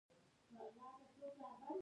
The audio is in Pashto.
د خبرو ارزښت باید بې معاوضې نه وي.